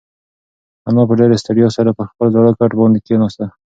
انا په ډېرې ستړیا سره پر خپل زاړه کټ باندې کښېناسته.